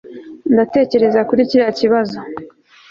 ndatekereza kuri kiriya kibazo